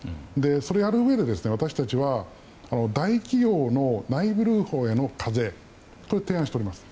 それをやるうえで私たちは大企業の内部留保への課税を提案しています。